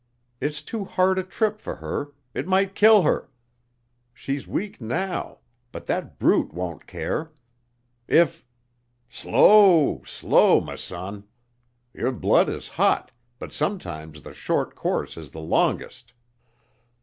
It's too hard a trip for her it might kill her. She's weak now, but that brute wouldn't care. If " "Slow! Slow, m' son. Yer blood is hot, but sometimes th' short course is th' longest.